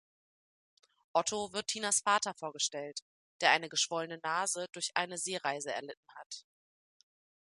Otto wird Tinas Vater vorgestellt, der eine geschwollene Nase durch eine Seereise erlitten hat.